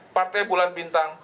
partai bulan bintang